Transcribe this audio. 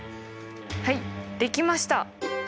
はいできました！